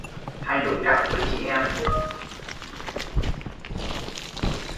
Hay nổi quạu với chị em